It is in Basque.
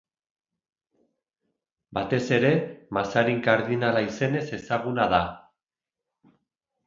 Batez ere Mazarin kardinala izenez ezaguna da.